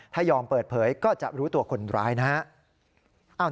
ถ้ายอมเปิดเผยก็จะรู้ตัวคนร้ายนะครับ